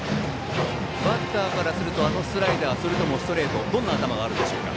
バッターからするとあのスライダーそれともストレートどんな頭があるでしょうか。